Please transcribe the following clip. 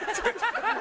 ハハハハ！